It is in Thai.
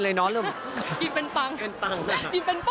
เป็นรอยสักเซ้นวาสนา